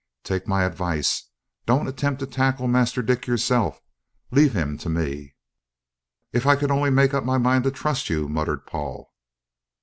Take my advice, don't attempt to tackle Master Dick yourself. Leave him to me." "If I could only make up my mind to trust you!" muttered Paul.